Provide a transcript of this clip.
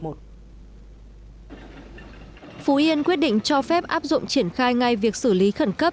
phú yên quyết định cho phép áp dụng triển khai ngay việc xử lý khẩn cấp